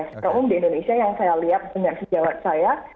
secara umum di indonesia yang saya lihat dengan sejawat saya